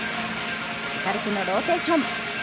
エカルテのローテーション。